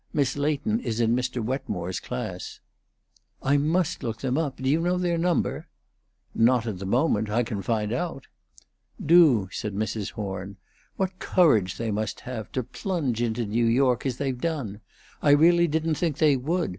Miss Leighton is in Mr. Wetmore's class." "I must look them up. Do you know their number?" "Not at the moment. I can find out." "Do," said Mrs. Horn. "What courage they must have, to plunge into New York as they've done! I really didn't think they would.